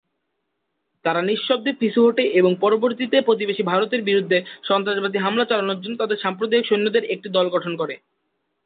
তারা নিঃশব্দে পিছু হটে এবং পরবর্তীতে প্রতিবেশী ভারতের বিরুদ্ধে সন্ত্রাসবাদী হামলা চালানোর জন্য তাদের সাম্প্রদায়িক সৈন্যদের একটি দল গঠন করে।